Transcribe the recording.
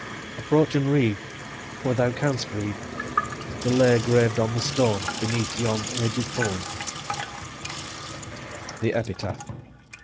Approach and read (for thou canst read) the lay 115 Grav'd on the stone beneath yon aged thorn." THE EPITAPH.